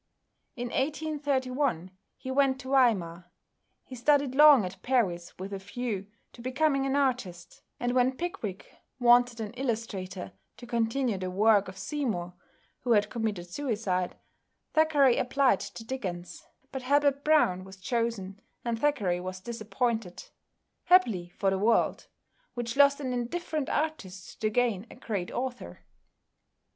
In 1831 he went to Weimar. He studied long at Paris with a view to becoming an artist, and when "Pickwick" wanted an illustrator to continue the work of Seymour who had committed suicide, Thackeray applied to Dickens, but Hablot Browne was chosen, and Thackeray was disappointed happily for the world, which lost an indifferent artist to gain a great author.